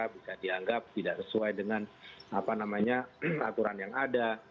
bisa dianggap tidak sesuai dengan aturan yang ada